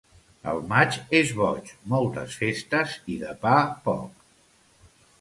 El maig és boig, moltes festes i de pa poc.